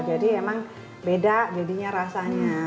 jadi emang beda jadinya rasanya